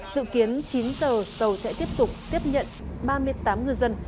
dự kiến chín giờ tàu sẽ tiếp tục tiếp nhận ba mươi tám ngư dân